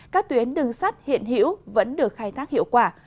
các tuyến đường sắt hiện hữu vẫn được khai thác hiệu quả